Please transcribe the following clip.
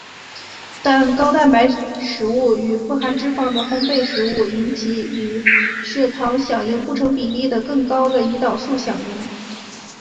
但高蛋白食物与富含脂肪的烘培食物引起与其血糖响应不成比例的的更高的胰岛素响应。